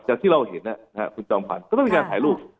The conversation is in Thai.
อย่างที่เราเห็นอะครับคุณจองพันธุ์ก็มีการถ่ายรูป